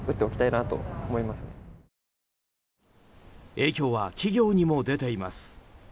影響は企業にも出ています。